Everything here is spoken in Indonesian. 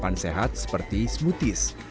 dapatkan tahan sehat seperti smoothies